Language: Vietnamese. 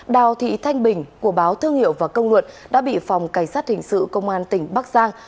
đào thị thanh bình của báo thương hiệu và công luận đã bị phòng cảnh sát hình sự công an tỉnh bắc giang